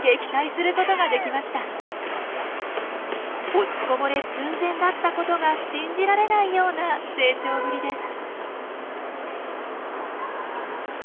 落ちこぼれ寸前だったことが信じられないような成長ぶりです。